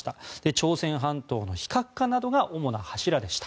朝鮮半島の非核化などが主な柱でした。